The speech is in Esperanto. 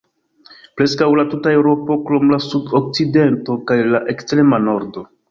Preskaŭ la tuta Eŭropo krom la sud-okcidento kaj la ekstrema nordo.